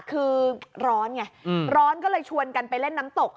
คือร้อนไงร้อนก็เลยชวนกันไปเล่นน้ำตก